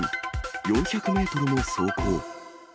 ４００メートルも走行。